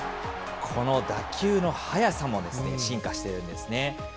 この打球の速さも進化しているんですね。